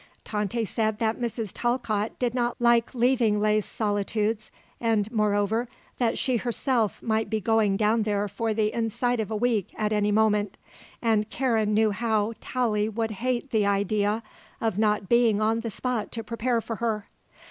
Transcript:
Tante said that Mrs. Talcott did not like leaving Les Solitudes; and, moreover, that she herself, might be going down there for the inside of a week at any moment and Karen knew how Tallie would hate the idea of not being on the spot to prepare for her.